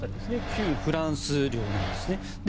旧フランス領なんですね。